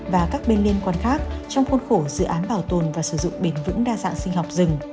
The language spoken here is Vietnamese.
và các bên liên quan khác trong khuôn khổ dự án bảo tồn và sử dụng bền vững đa dạng sinh học rừng